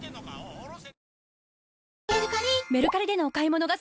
下ろせ。